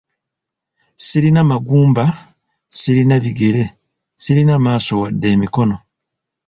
Sirina magumba, sirina bigere, sirina maaso wadde emikono.